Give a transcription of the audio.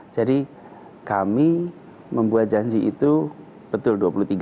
jadi kami membuat janji itu betul dua puluh tiga